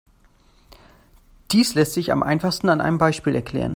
Dies lässt sich am einfachsten an einem Beispiel erklären.